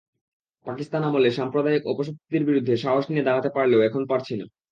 পাকিস্তান আমলে সাম্প্রদায়িক অপশক্তির বিরুদ্ধে সাহস নিয়ে দাঁড়াতে পারলেও এখন পারছি না।